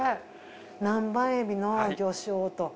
南蛮エビの魚醤と。